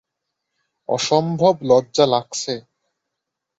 অসম্ভব লজ্জা লাগছে।